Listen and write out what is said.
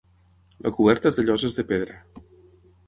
La coberta és de lloses de pedra.